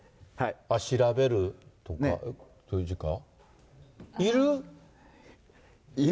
調べる子、そういう字か？